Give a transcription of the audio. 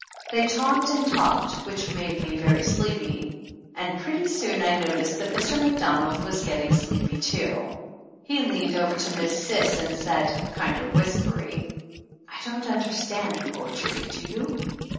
They talked and talked, which made me very sleepy and pretty soon I noticed that Mr. Macdonald was getting sleepy too. He leaned over to Miss Cis and said, kinder whispery : "I don't understand poetry, do you